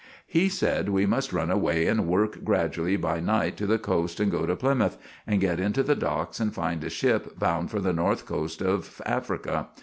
He said we must run away and work gradully by night to the coast and go to Plymouth, and get into the docks, and find a ship bound for the north coste of Africa.